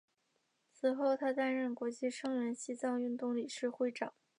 此后他担任国际声援西藏运动理事会长。